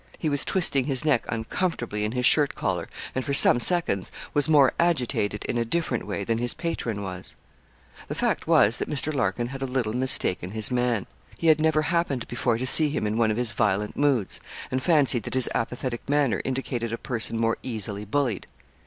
He was twisting his neck uncomfortably in his shirt collar, and for some seconds was more agitated, in a different way, than his patron was. The fact was, that Mr. Larkin had a little mistaken his man. He had never happened before to see him in one of his violent moods, and fancied that his apathetic manner indicated a person more easily bullied.